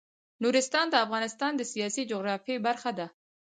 نورستان د افغانستان د سیاسي جغرافیه برخه ده.